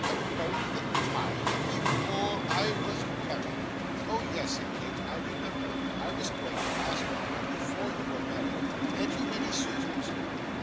About the time before I was married.' 'Oh yes!' said Kate, 'I remember. I was going to ask, mama, before you were married, had you many suitors?